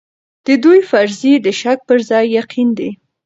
د دوی فرضيې د شک پر ځای يقين دي.